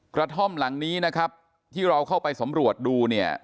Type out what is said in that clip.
กระท่อมหลังนี้นะครับที่เราเข้าไปสำรวจดูเนี่ย